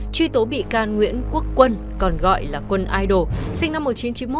truy tố bị can nguyễn quốc quân còn gọi là quân idol sinh năm một nghìn chín trăm chín mươi một